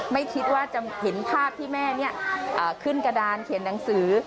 ไม่คิดว่าจะเห็นภาพที่แม่ขึ้นกระดานเขียนหนังสือ